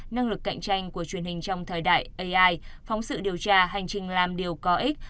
năng lực cạnh tranh của truyền hình trong thời đại ai phóng sự điều tra hành trình làm điều có ích